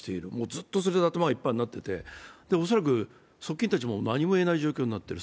ずっとそれで頭がいっぱいになっていて、恐らく側近たちも何も言えない状況になっている。